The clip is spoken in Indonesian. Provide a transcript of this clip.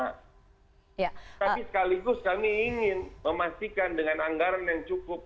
tapi sekaligus kami ingin memastikan dengan anggaran yang cukup